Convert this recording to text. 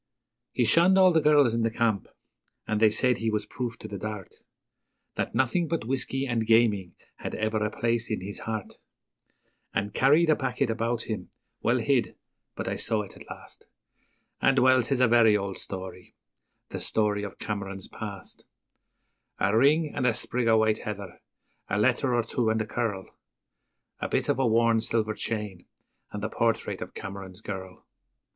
He shunned all the girls in the camp, and they said he was proof to the dart That nothing but whisky and gaming had ever a place in his heart; He carried a packet about him, well hid, but I saw it at last, And well, 'tis a very old story the story of Cameron's past: A ring and a sprig o' white heather, a letter or two and a curl, A bit of a worn silver chain, and the portrait of Cameron's girl.